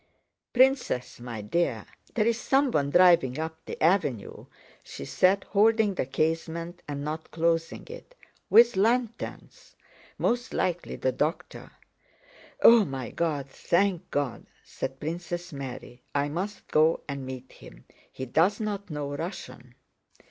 "Princess, my dear, there's someone driving up the avenue!" she said, holding the casement and not closing it. "With lanterns. Most likely the doctor." "Oh, my God! thank God!" said Princess Mary. "I must go and meet him, he does not know Russian."